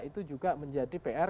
itu juga menjadi pr